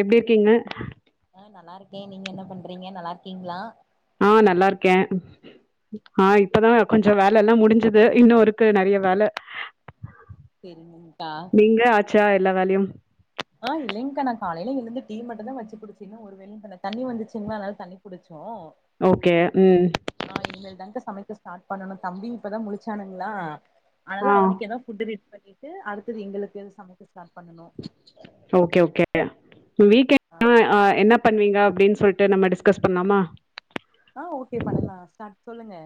எப்டி இருக்கீங்க ஏ நீங்க என்ன பண்றீங்க நல்லா இருக்கீங்களா ஆ நல்லா இருக்கே ஆ, இப்பதா கொஞ்ச வேல எல்லா முடிஞ்சித் ஆ இன்னு இருக்கு நெறைய வேல செரிங்க்கா நீங்க ஆச்சா எல்லா வேலயும் ஆஹ் இலைங்க் நா காலையில எழுந்து டீ மட்டும் தா வச்சிக்குடிச்சிங்க ஒரு வேலயு பண்லா தண்ணி வந்துச்சுங்களா அதுனால தண்ணி புடிச்சோ ஓகே உம் ஆஹ் இனிமேல் தான்க்கா சமைக்க ஸ்டார்ட் பண்ணனும் தம்பி இப்பதா முழச்சானுங்களா ஆனால ஆ அவனுக்கு ஏதா ஃபுட்டு ரெடி பண் ட்டு அடுத்தது எங்களுக்குனு சமைக்க ஸ்டார்ட் பண்ணனு ஓகே ஓகே ஆ வீக்கெண்ட்ன் னா ஆஹ் என்னா பண்வீங்க அப்டின் சொல்ட் டு நம்ம டிஸ்கஸ் பண்லாமா ஆஹ் ஓகே பண்ணலா ஸ்டார்ட் சொல்லுங்க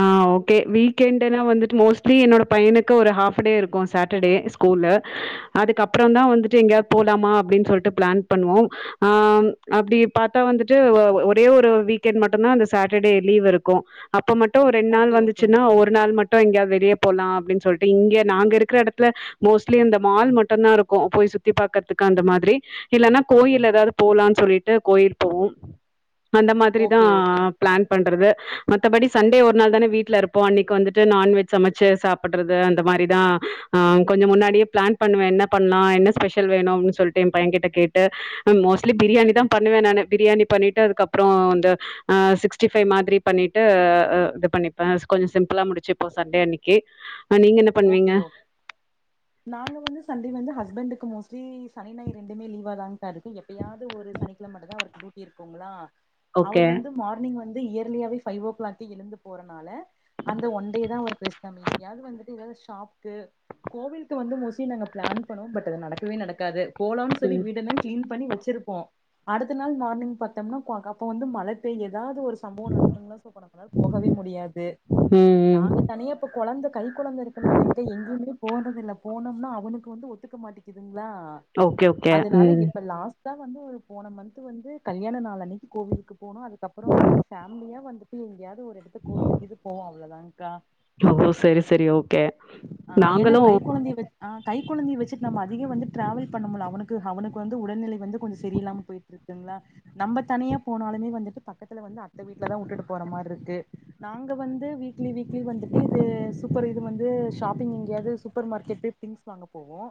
ஆஹ் ஓகே வீக்கெண்ட்னா வந்துட்டு மோஸ்ட்லி என்னோட பையனுக்கு ஒரு ஹாப் டே இருக்கு சாட்டர்டே ஸ்கூல்ல அதுக்கப்புறோ தா வந்துட்டு எங்கேயாது போலாமா அப்டின்னு சொல்ட்டு ப்ளான் பண்ணுவோம் ஆஹ் அப்டி பாத்தா வந்துட்டு ஒ ஒ ஒரே ஒரு வீக்கெண்ட் மட்டும்தா அந்த சாட்டர்டே லீவ்வு இருக்கும் அப்ப மட் டும் ரெண்டு நாள் ஓகே வந்துச்சுன்னா ஓகேங்க்கா ஒரு நாள் மட்டு எங்கயா வெளிய போலா அப்டின்னு சொல்ட்டு இங்க நாங்க இருக்கிற எடத்துல மோஸ்ட்லி இந்த மால் மட்டம்தா இருக்கும் போய் சுத்தி பாக்கறதுக்கு அந்த மாத்ரி இல்லன்னா கோயில் ஏதாது போலாம்னு சொல்ட்டு கோயில் போவோ அந்த மாத்ரி தா ஓகே ஓகேங்க்கா ப்ளான் பண்றது மத்தபடி ஒரு நாள் தான வீட்ல இருப்போ அன்னைக்கு வந்துட்டு நான்வெஜ் சமைச்சு சாப்பிட்றது அந்த மாரி தா ஆஹ் கொஞ்சோ முன்னாடியே ப்ளான் பண்ணுவே என்ன பண்லாம் என்ன ஸ்பெஷல் வேணு அப்டின்னு சொல்ட்டு என் பையன்கிட்ட கேட்டு ம் மோஸ்ட்லி ப்ரியாணி தா பண்ணுவேன் நானு ப்ரியாணி பண்ணிட்டு அதுக்கப்புறம் வந்து ஆஹ் சிக்ஸ்டி ஃபைவ் மாத்ரி பண்ணிட்டு ஹ இது பண்ணிப்பே கொஞ்சோ சிம்பிளா முடிச்சுப்போ சண்டே அன்னைக்கி ஓகே ஓ நாங்க வந்து சண்டே வந்து ஹஸ்பண்ட்டுக்கு மோஸ்ட்லி சனி ஞாயிறு ரெண்டுமே லீவா தாங் அது எப்பயாவது ஒரு சனிக்கிழ மட்டு தா அவருக்கு டியூட்டி இருக் போங்களா அவர் ஓகே. வந்து மார்னிங் வந் ந்து இயர்லியாவே பைவ் ஓ கிளாக்கே எழுந்து போறனால அந்த ஒன்டே தா அவ்ருக்கு ரெஸ்ட் [unintelligible] எங்கயா வந்துட் எங்கியாது ஷாப்க்கு கோவிலுக்கு வந்து மோஸ்ட்லி நாங்க ப்ளான் பண்ணுவோ பட் அது நடக்கவே நடக்காது போலாம்னு சொல்லி ம். வீடெல்லாம் கிளின் பண்ணி வச்சு சிருப்போ அடுத்த நாள் மார்னிங் பாத்தம்னா [unintelligible] அப்ப வந்து மழ பெய்ய ஏதாது ஒரு சம்பவம் [unintelligible] சோ அப்ப நம்மளால போகவே முடியாது ம், ம். நாங்க தனியா இப்ப கொழந்த கை கொழந்த இருக்கனாலங்க எங்கயுமே போறதில்ல போனம்னா அவ்னுக்கு வந்து ஒத்துக்க மாட்டேக்குதுங் கிலா ஓகே, ஓகே. அதனால ம். இப்ப லாஸ் சா வந்து ஒரு போன மந்த் வந்து கல்யாணம் நாள் அன்னைக்கி கோவிலுக்கு போனம் அதுக்கப்பறோ பேமிலியா வந்துட் சி எங்கியது து ஒரு எடத்துக் கோவில் [unintelligible] போவம் அவ்ளோ தாங் கா [unintelligible] சரி ஓகே ஆ ஏன்னா நாங்களும் கை கொழந்தைய வச் ஆ கை கொழந்தைய வச்சிட்டு நம்ம அதிகம் வந்து டிராவல் பண்ண முடில அவனுக்கு அவனுக்கு வந்து உடல்நிலை வந்து கொஞ்ச சரியில்லாம போயிட்டு இருக்கு [unintelligible] நம்ம தனியா போனாலுமே வந்துட்டு பக்கத்துல வந்து அத்தை வீட்லதான் விட்டுட்டு போற மாறி இருக்கு நாங்க வந்து வீக்லி வீக்லி வந்துட்டு [unintelligible] அப்றம் இது வந்து ஷாப்பிங் எங்கயாது சூப்பர் மார்கெட் திங்ஸ் வாங்க போவோம்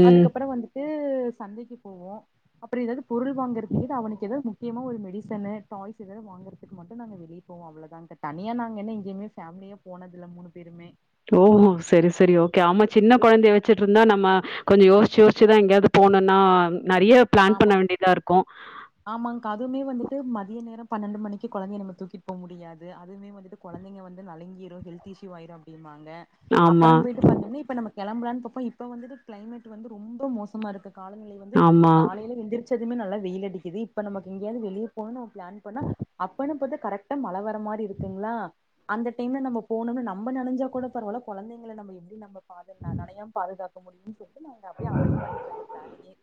ம். அதுக்கப்பறம் வந்துட்டு [unintelligible] சந்தைக்கு போவோம் அப்பறம் எடுத் பொருள் வாங்றதுக்கு அவனுக்கு எதாவது முக்கியமா ஒரு மெடிசனு டாய்ஸ் எதாவது வாங்கறதுக்கு மட்டும் நாங்க வெளிய போவம் அவ்ளோதாங்கே தனியா நாங்க எங்கயுமே பேமிலியா போனதில்ல மூணு பேருமே ஓஹோ சரி சரி ஓகே ஆமா சின்ன கொழந்தைய வச்சிட்டு இருந்தா நம்ம கொஞ்சம் யோசிச்சு யோசிச்சுதா எங்கேயாவது போகணும்னா ஆமா ஆமாங்கா அதுவுமே வந்துட்டு மதிய நேரம் பன்னெண்டு மணிக்கு கொழந்தைய நம்ம தூக்கிட்டு போக முடியாது அதுவே வந்துட்டு கொழந்தைங்க வந்து நலுங்கிரும் ஹெல்த் இஸ்யூ ஆய்ரும் அப்டிம்பாங் [unintelligible] ஆமா, அப்பறம் போயிட்டு பாத்தோம்னா இப்ப நம கிளம்புறானு பாப்பம் இப்ப வந்துட்டு கிளைமேட் வந்து ரொம்ப மோசமா இருக்கு காலநிலை வந்து ஆமா. காலையில எந்திரிச்சு இன்னுமே நல்லா வெயில் அடிக்குது இப்ப நமக்கு எங்கயாவது வெளிய போகணு பிளான் பண்ணா அப்ப ன்னுபாத்தா கரெக்டா மழ வர் அந்த மாதிரி இருக்குங்களா அந்த டைம்ல நம்ம போனுனு நம்ம நெனஞ்சா கூட பரவால்ல கொழந்தைங்கள நம்ம எப்படி நம்ம பாத்து நெனயாம பாதுகாக்கணும் [unintelligible] [unintelligible] அப்டியே அவாய்ட் பண்ணிரலா அந்த பிளானையே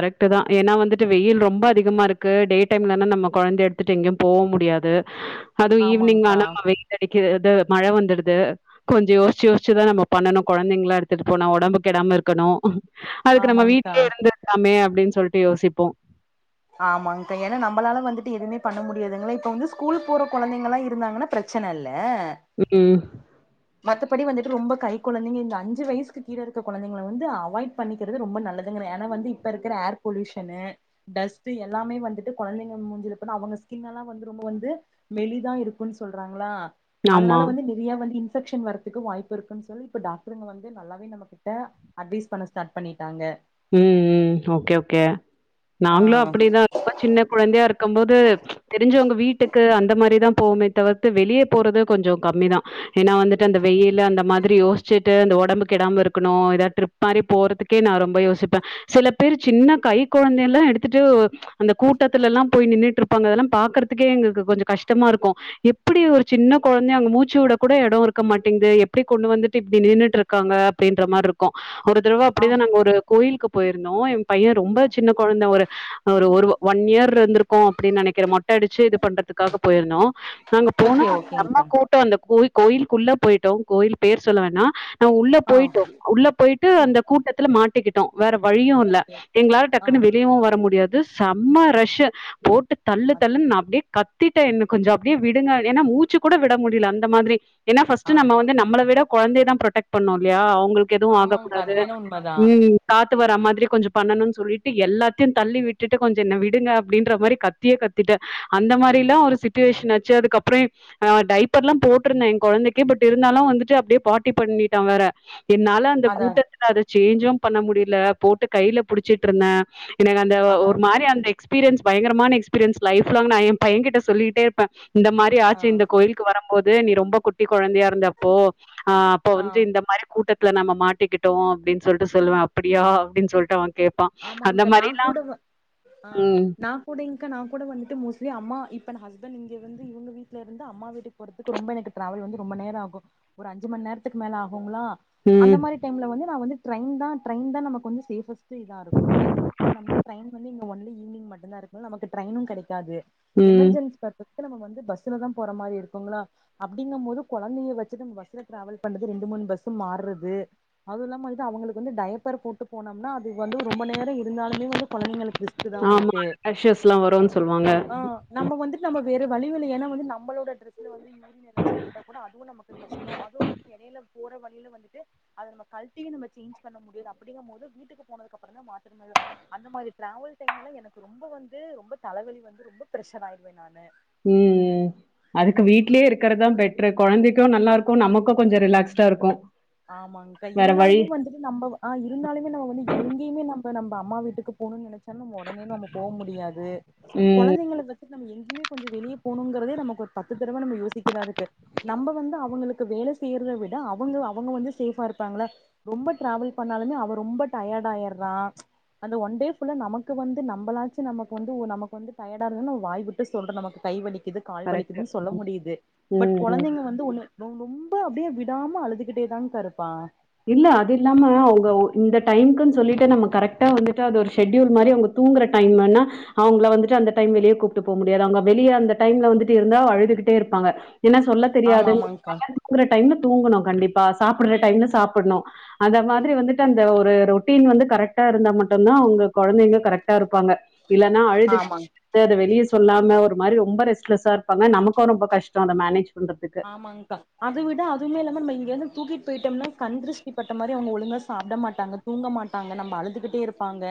கரெக்ட் தா ஏனா வந்துட்டு வெயில் ரொம்ப அதிகமா இருக்கு டே டைம்லென்னா நம்ம கொழந்தைய எடுத்துட்டு எங்கயும் போக முடியாது அதுவ் ஈவ்னிங் ஆமாங்க்கா ஆனா வெயில் அடிக் அ இது மழை வந்துடுது கொஞ்ச யோசிச்சு யோசிச்சுதா நம்ம பண்ணணு குழந்தைங்களா எடுத்துட்டு போனா ஒடம்பு கெடாம இருக்கணு அதுக்கு நம்ம ஆமாங்க்கா வீட்லயே இருந்து மே அப்டின்னு சொல்ட்டு யோசிப்போம் ஆமாங்க்கா ஏன்னா நம்மளால வந்துட்டு எதுவுமே பண்ண முடியாதுங்களா இப்போ வந்து ஸ்கூல் போற கொழந்தைங்களா இருந்தாங்கன்னா பிரச்சன இல்ல ஓகே மத்தபடி வந்துட்டு ரொம்ப கை குழந்தைங்க இந்த அஞ்சு வயசுக்கு கீழ இருக்குற கொழந்தைங்கள வந்து அவாய்ட் பண்ணிக்கிறது ரொம்ப நல்லதுங்கறே ஏன்னா வந்து இப்ப இருக்குற ஏர் பொல்யூஷனு டஸ்ட்டு எல்லாமே வந்துட்டு கொழந்தைங்க மூஞ்சில போ அவுங்க ஸ்கின் எல்லா வந்து ரொம்ப வந்து மெளிதா இருக்கோன்னு சொல்றாங்களா ஆமா. அதனால வந்து நிறைய வந்து இன் இன்ஃபெக்க்ஷன் வரத்துக்கு வாய்ப்பிருக்குன்னு சொல்லி இப்ப டாக்டருங்க வந்து நல்லாவே நம்ம கிட்ட அட்வைஸ் பண்ண ஸ்டார்ட் பண்ணிட்டாங்க உம் ம் ஓகே ஓகே நாங்களு ஆ அப்படிதா ரொம்ப சின்ன குழந்தையா இருக்கும் போது தெரிஞ்சவங்க வீட்டுக்கு அந்த மாரிதா போவுமே தவிர்த்து வெளியே போறது கொஞ்ச கம்மிதா ஏன்னா வந்துட்டு அந்த வெயில அந்த மாதிரி யோசிச்சு அந்த உடம்பு கெடாம இருக்கணு ஏதா ட்ரிப் மாரி போறதுக்கே நா ரொம்ப யோசிச் சில பேர் சின்ன கை குழந்தை எல்லா எடுத்துட்டு அந்த கூட்டத்தில எல்லாம் போய் நின்ட்டு இருப்பாங்க அதெல்லாம் ப்கறதுக்கே எங்களுக்கு கொஞ்ச கஷ் டமா இருக்கு எப்படி ஒரு சின்ன குழந்தைய அங்க மூச்சு விட கூட எட இருக்க மாட்டேங்குது எப்படி கொண்டு வந்துட்டு இப்படி நின்றுட்டு இருக்காங்க அப்படின்ற மாரி இருக்கும் ஒரு தடவ ஆ அப்படிதா நாங்க ஒரு கோயிலுக்கு போயிருந்தோ எம் பையன் ரொம்ப சின்ன குழந்தை ஒரு ஒரு வ ஒன் இயர் இருந்திருக்கோ அப்படின்னு நினைக்கிற மட் டி அடிச்சு இது பண்றதுக்காக போயிருந்தோம் நாங்க போனா ஓகே செம்ம ஓகேங்க்கா கூட்ட அந்த கோயி கோயக்குள்ள போயிட்டோ கோயில் பேர் சொல்ல வேனா உள்ள ஆ போயிட்டோம் உள்ள போயிட்டு ஓகே அந்த கூட்டத்துல மாட் வேற வழியு இல்ல ஓகே எங்களால ஆ டக்குன்னு வெளியவு வர முடியாத் செம்ம ரஷு போட்டு தள்ளு ஆ தள்ளுன்னு நா அப்டியே கத்திட்ட என்ன கொஞ்ச அப்படியே விடுங்க ஏன்னா மூச்சு கூட விட முடியல அந்த மாதிரி ஏன்னா ஃபர்ஸ்ட் நம்ம ஆமா வந்து நம்மல விட கொழந்த தா ப்ரோடெக்ட் பண்ணு இல்லையா அ உங்களுக்கு எதுவு ஆகக் ஆமாங்க்கா அது கூடாது வேணா உண்மதா உம் காத்து வரா மாதிரி கொஞ்சம் பண்ணணும்னு சொல்லிட்டு எல்லாத்தையு தள்ளி விட்டுட்டு கொஞ்சம் என்ன விடுங்க அப்படின்ற மாதிரி கத்தியே கத்திட்டேன் அந்த மாதிரி எல்லாம் ஒரு சுச்சுவேஷன் ஆச்சு அதுக்கப்புறம் ஆ டைப்பர் எல்லாம் போட்டிருந்தே என் குழந்தைக்கே பட் இருந்தாலும் வந்துட்டு அப்படியே பார்ட்டி பண்ணிட்டா வேற என்னால அந்த அதா கூட்டத்துல அத சேஞ்சோ பண்ண முடியல போட்டு கையில புடிச்சிட்டு இருந்தேன் எனக்கு அந்த அதா ஒரு அதா மாதிரியா அந்த எக்ஸ எக்ஸ்பீரியன்ஸ் பயங்கரமான எக்ஸ்பீரியன்ஸ் லைஃப்லாங் நான் என் பைய கிட்ட சொல்லிட்டே இருப்பேன். இந்த மாரி ஆ ஆச்சு இந்த கோயிலுக்கு வர போது நீ ரொம்ப குட்டி கொழந்தையா இருந்தப்போ. ஆஹ் அப்போ ஆ வந்து இந்த மாரி கூட்டத்த நாம மாட்டிக்கிட்டோம் அப்படின்னு சொல்லிட் சொல்லுவான் அப்படியா அப்படின்னு சொல்லிட்டு அவங்க ஆமாங்க நான் கூட ஆஹ் ம். நான் கூட இங் க்கா நான் கூட வந்துட்டு மோஸ்ட்லி அம்மா இப்பனா ஹஸ்பண்ட் இங்க வந்து இவுங்க வீட்ல இருந்து அம்மா வீட்டுக்கு போறதுக்கு ரொம்ப எனக்கு டிராவல் வந்து ரொம்ப நேரமாகும் ஒரு அஞ்சு மணி நேரத்துக்கு மேல ஆகும் போங்களா அந்த ம். மாறி டைம்ல வந்து நான் வந்து ட்ரையின் தான் ட்ரையின் தா நமக்கு வந்து சேஃப்ஸ்ட் ஸ்ட் இதா இருக்கும் ட்ரையின் புக் பண்ணோம்னா ட்ரையின் வந்து இங்க ஒன்லி ஈவினங் மட்டும் தான் இருக்கும் நமக்கு ட்ரைனும் கிடைக்காது. ம். எமர்ஜென்சி பாத்து க்கு நம்ம வந்து பஸ்ல தான் போற மாறி இருக்குங்களா அப்படிங்கும் போது கொழந்தைய வச்சுட்டு பஸ்ல டிராவல் பண்றது ரெண்டு மூணு பஸ்ஸும் மாறது அது இல்லாம அழுதா அவங்களுக்கு வந்து டைப்பர் போட்டு போனோம்னா வந்து ரொம்ப நேரம் இருந்தாலுமே வந்து கொழந்தைங்களுக் ரிஸ்க் தான் ஆமா. வந்துட்டு ரேஷஸ்லாம் வரும்ன்னு சொல்லுவாங்க. ஆஹ் நம்ம வந்துட்டு நம்ம வேற வழியும் இல்ல ஏன்னா வந்து நம்மோளோட ட்ரேஸ்ல வந்து யூர் யூரின் எதாச்சும் போயிட்டா கூட அதுவும் நமக்கும் கஷ்டம் அதுவும் வந்து எடையில போற வழியில வந்துட்டு அத நம்ம கல்டியு சேஞ்ச் பண்ண முடியது அப்படிங்கும் போது வீட்டுக்கு போனதுகு அப்புறோ தான் மாத்தவே முடியும் அந்த மாறி டிராவல் டைம்ல்லா எனக்கு ரொம்ப வந்து ரொம்ப தலவலி வந்து ரொம்ப பிரஷர் ஆயிடுவேன் நானு உம் உம் அதுக்கு வீட்லையே இருக்குறதான் பெட்டரு கொழந்தைக்கும் நல்லா இருக்கும் நமக்கும் கொஞ்சோ ரிலாக்ஸ்டா இருக்கும். ஆமாங்கா வேற வழி இருந்தாலுமே வந்துட்டு நம்ம ஆஹ் இருந்தாலுமே நம்ம வந்து எங்கேயுமே நம் இப்ப நம்ம அம்மா வீட்டுக்கு போனும் நெனச்சாலும் நம்ம உடனே நம்ம போக முடியாது. ம். கொழந்தைங்கள பத்தி விட்டுட்டு நம்ம எங்கேமே கொஞ்சோ வெளிய போனுங்கிறத நமக்கு ஒரு பத்து தடவ நம்ம யோசிக்ரதா இருக்கு நம்ம வந்து அவங்களுக்கு வேல செய்யறத விட அவங்க அவங் அவங்க வந்து சேஃபா இருப்பாங்களா ரொம்ப டிராவல் பண்ணாலுமே அவ ரொம்ப டயர்ட் ஆகிறான் ச்சு அந்த ஓன்டே ஃபுல்லா நமக்கு வந்து நம்மளாச்சு நமக்கு வந்து ஓ நமக்கு வந்து டயடா இல்லனு வாய் விட்டு சொல்ற நமக்கு கை வலி க்குது கால் கரெக்ட்டு. வலிக்குதுன்னு சொல்ல முடியுது ம். பட் ம். கொழந்தைங்க வந்து ஒன்னு ரொ ரொம்ப அப்படியே விடாம அழுதுக் கிட்டே தான்ங்கா இருப்பா இல்ல அது இல்லாம அவங்க ஓ இந்த டைமுக்குன்னு சொல்லிட்டு நம்ம கரெக்ட்ட வந்துட்டு அது ஒரு ஷெட்யூல் மாறி அவங்க தூங்குற டைமுன்னா அவங்கள வந்துட்டு அந்த டைம் வெளிய கூப்பிட்டு போக முடியாது அவங்க வெளிய அந்த டைம்ல வந்துட்டு இருந்தா அழுதுகிட்டே இருப்பாங்க. ஏன்னா சொல்ல ஆமா ஆமாங்க்கா தெரியாதுங்காரனால தூங்குற டைம்ல தூங்கணும் கண்டிப்பா சாப்பிடற டைம்ல சாப் பண்ணும் அந்த மாதிரி வந்துட்டு அந்த ஒரு ரொட்டீன் வந்து கரெக்ட்டா இருந்தா மட்டும் தான் உங்க கொழந்தைங்க கரெக்டா இருக் ப்பாங்க இல்லன்னா அழுது ஆமா அத வெளிய சொல்லாம ஒரு மாறி ரொம்ப ரெஸ்ட்லெஸ்ஸா இருப்பாங்க நமக்கும் ரொம்ப கஷ்டம் அத மேனேஜ் பண்றதுக்கு ஆமாங்க்கா அத விட அதுவுமே இல்லாம நம்ம இங்க வந்து தூக்கிட்டு துய்டோம்ன்னு கண் திருஷ்டிப்பட்ட மாறி அவங்க ஒழுங்காக சாப்பிட மாட்டாங்க தூங்க மாட்டாங்க நம்ம அழுதுக்கிட்டே இருப்பாங்க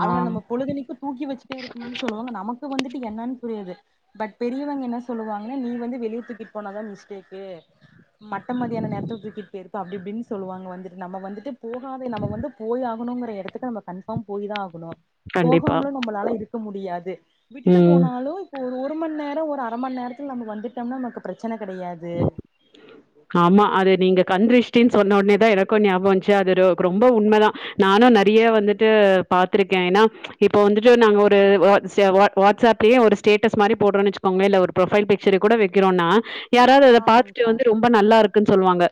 ஆ அவங்க நம்ம பொழுதன்னைக்கு தூக்கி வச்சிட்டே இருக்கணும்னு சொல்லுவாங்க நமக்கு வந்துட்டு என்னன்னு புரியாது பட் பெரியவங்க என்ன சொல்லுவாங்கன்ன நீ வந்து வெளியேத்தூக்கிட்டு போன தான் மிஸ்டேக்கு மட்ட மத்தியான நேரத்துக்கு தூக்கிட்டு போயிருப்ப அப்படி இப்படின்னு சொல்லுவாங்க வந்துட்டு நம்ம வந்துட்டு போகாத நம்ம வந்து போய் ஆகணுங்கிற இடத்துக்கு நம்ம கன்ஃபார்ம் போய் தான் ஆகணும் கண்டிப்பா போகாமலும் நம்மளால இருக்க முடியாது விட்டுட்டு ம் போனாலும் ஒரு ஒரு மணி நேரம் ஒரு அர மணி நேரத்தில நம்ம வந்துட்டம்னா நமக்கு பிரச்சன கிடையாது ஆமா அது நீங்க கண்திரிஷ் சொன்ன ஒனேதா எனக்கு ஞாபக வச்சு அது ரொ ரொம்ப உண்மைதா நானு நெறையா வந்துட்டு பாத்திருக்கே ஏன்னா இப்ப வந்துட்டு நாங்க ஒரு வாட்ஸ் வ வாட்சப்லயே ஒரு ஸ்டேட்டஸ் மாதிரி போடுறோ வச்சுக்கோங்களே இல்ல ஒரு ப்ரொஃபைல் பிக்சர் கூட வைக்கிறோனா யாராவது அத பாத்துட்டு ஆமாங்க்கா வந்து ரொம்ப நல்லா இருக்குன் சொல்லுவாங்க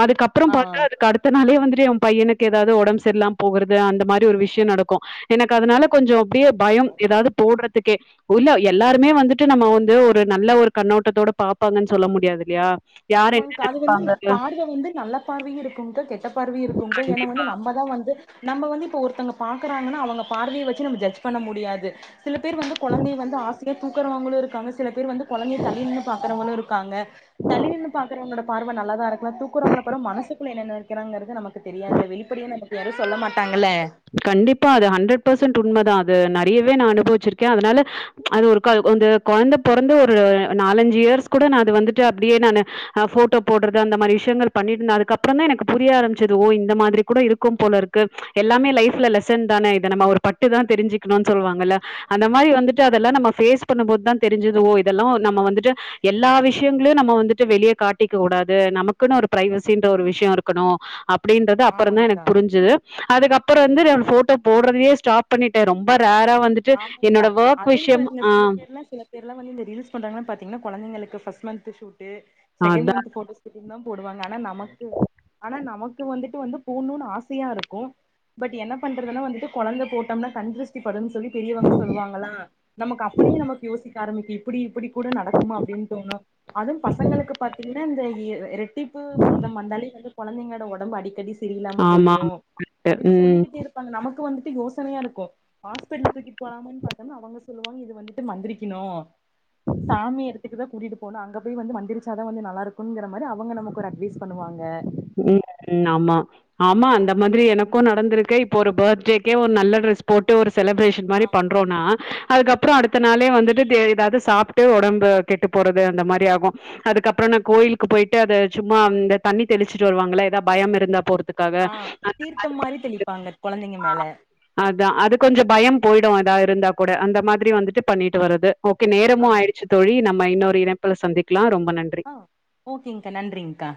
அதுக்கப்பற ஆ பாத்தா அதுக்கு அடுத்த நாளே வந்து எ பையனுக்கு ஏதாவது உடம்பு சரில்லாம போகுறது அந்த மாதிரி ஒரு விஷய நடக்கு எனக்கு அதனால கொஞ்ஜொ அப்படியே பயம் ஏதாவது போடுறதுக்கே இல்ல எல்லாருமே வந்துட்டு நம்ம வந்து ஒரு நல்ல ஒரு கண்ணோட்டத்தோட பாப்பாங்கன்னு சொல்ல முடியாது இல்லையா யார் என்ன ஆமாங்க்க அது வந்து கண்டிப்பாங்க பார்வை வந்து நல்ல பார்வையு இருக்கும்க்கா கெட்ட பார்வையு இருக்கும்க்கா ஏன்னா வந்து கண்டிப்பா நம்மதா வந்து நம்ம வந்து இப்ப ஒருத்தங்க பாக்கறாங்கன்னா அவங்க பார்வையை வச்சு நம்ம ஜஜ் பண்ண முடியாது சில பேர் வந்து குழந்தை வந்து ஆசையா தூக்குறவங்களு இருக்காங்க சில பேர் வந்து கொழந்தைய தள்ளி நின்னு பாக்கறவங்களு இருக் இருக்காங்க தள்ளி நின்னு பாக்கறவஙகளோட பார்வை நல்லாதாருக்கு தூக்குறவங்களோட மனசுக்குள்ள என்ன நெனைக்கிறாங்கிறது நமக்கு தெரியாதுல்ல வெளிப்படையா நமக்கு யாரு சொல்ல மாட்டாங்மாட்டாங்க கண்டிப்பா அது ஹண்ட்ரட் பர்சன்ட் உண்மதா து நெறையவே நா அனுபவிச்சிருக்கே அதனால அது ஒரு க து கொழந்தை பொறந்து ஒரு நாலஞ்சு இயர்ஸ் கூட நா அது வந்துட்டு அப்படியே நான்னு போட்டோ போடுறது அந்த மாரி விஷயங்கள் பண்ணிட்டு தா அதுக்கப்பறமே எனக்கு புரிய ஆரம்பிச்சது ஓ இந்த மாதிரி கூட இருக்கும் போல இருக்கு எல்லாமே லைஃப்ல லெசன் தானே இத நம்ம ஒரு பட்டுதா தெரிஞ்சுக்கணும்னு சொல்லுவாங்கல்ல அந்த மாதிரி வந்துட்டு அதெல்லா நம்ம ஃபேஸ் பண்ணும்போதுதா தெரிஞ்சது ஓ இதெல்லா நம்ம வந்துட்டு எல்லா விஷயங்களையும் நம்ம வந்துட்டு வெளியே காட்டிக்க கூடாது நமக்குன்னு ஒரு பிரைவசின்ற ஒரு விஷய இருக்கணு அப் அப்படின்றது அப்பறதா ஆமாங்க்கா எனக்கு புரிஞ்சுது அதுக்கப்புற வந்து ஆ நா போட்டோ போட்ரதே யே ஸ்டாப் பண்ணிட்டே ரொம்ப ரேர் ஆமாங்க்கா அதுவு பாருங்க ஆ சில பேர்ல சில பேரெல்லா இந்த ரீல்ஸ் பண்றாங்க பாத்தீங்கன்னா கொழந்தைங்களுக் ஃபஸ்ட் மன்த்து ஸூட் இதுசெகண்ட் அதான். மந்த்த் போட்டோ ஷூட்டுனு தா போடுவாங்க ஆனா நமக்கு ஆனா நமக்கு வந்துட்டு வந்து போட்ணுனு ஆசையா இருக்கு பட் என்ன பண்றதுன்னா வந்துட்டு கொழந்தை போட்டோம்னா கண் திருஷ்டிப்படுன்னு சொல்லி பெரியவங்க சொல்லுவாங்களா நமக்கு அப்படியே நமக்கு யோசிக் ஆரம்பிக்க இப்படி இப்படி கூட நடக்குமா அப்படின்னு தோணு அதும் பசங்களுக்கு பாத்தீங்கன்னா இந்த எ இரட்டிப்பு மாதம் வந்தாலே குழந்தைங்களோட ஒடம்பு அடிக்கடி சரியில்லாம ஆமா. போயிரும் ம். அப்படின்னு ம். சொல்லிக்கிட்டே இருப்பாங்க நமக்கு இப்போ வந்துட்டு யோசனையா இருக்கு பென்னதூக்கிட் போலாமானு பாத்தோம்னா அவங்க சொல்லுவாங்க இது வந்துட்டு மந்திரிக்கணு சாமி எடத்துக்கு தா கூட்டிட்டு போனு அங்க போய் வந்து மந்திரிச்சாதா வந்து நல்லா இருக்குங்கற மாரி அவங்க நமக்கொரு அட்வைஸ் பண்ணுவாங்க உம் உம் ஆமா ஆமா அந்த மாதிரி எனக்கு நடந்திருக்கு இப்ப ஒரு பர்த்டேக்கே ஒரு நல்ல ட்ரெஸ் போட்டு ஒரு செலிப்ரேஷன் மாரி பண்றோன்னா அதுக்கப்றோ அடுத்த நாளே வந்துட்டு தே ஏதாது சாப்ட்டு ஒடம்பு கெட்டு போறது அந்த மாரி ஆகு அதுக்கப்றோ நா கோயிலுக்கு போயிட்டு அத சும்மா இந்த தண்ணி தெளிச்சிட்டு வருவாங்கள ஏதா பயம் இருந்தா பொறுத் ஆஹ் தீர்த்தம் மாரி தெளிப்பாங்க கொழந்தைங்க மேல தா அது கொஞ்ஜோ பயம் பொயிடு அதா இருந்தா கூட அந்த மாதிரி வந்துட்டு பண்ணிட்டு வரது ஓகே நேரமு ஆமா ஆயிட்ச்சி தோழி நம் மா இன்னொரு இணைப்புள சந்திக்கலா ரொம் ஆஹ் ஓகேங்க்கா நன்றிங்க்கா